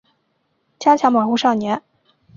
加强保护少年